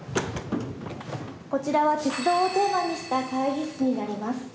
こちらは鉄道をテーマにした会議室になります。